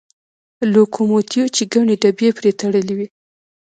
لوکوموتیو چې ګڼې ډبې پرې تړلې وې.